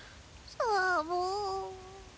サボ。